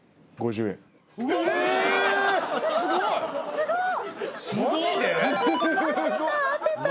すごっ。